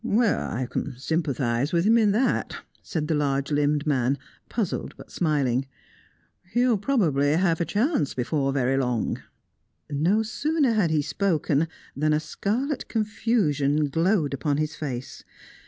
"Well, I can sympathise with him in that," said the large limbed man, puzzled but smiling. "He'll probably have a chance before very long." No sooner had he spoken that a scarlet confusion glowed upon his face.